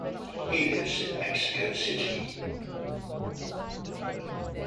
He lives in Mexico City.